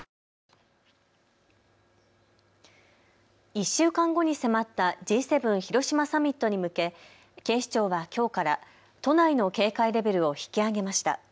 １週間後に迫ったＧ７広島サミットに向け警視庁はきょうから都内の警戒レベルを引き上げました。